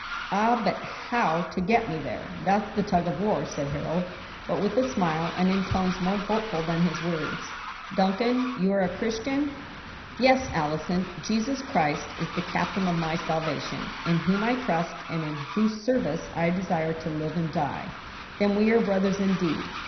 "Ah, but how to get me there? that's the tug of war," said Harold, but with a smile and in tones more hopeful than his words. "Duncan, you are a Christian?" "Yes, Allison; Jesus Christ is the Captain of my salvation; in whom I trust, and in whose service I desire to live and die." "Then are we brothers indeed!"